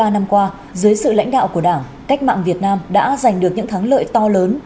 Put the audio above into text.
bốn mươi năm qua dưới sự lãnh đạo của đảng cách mạng việt nam đã giành được những thắng lợi to lớn